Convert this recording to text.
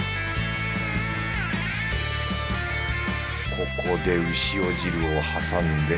ここでうしお汁を挟んで。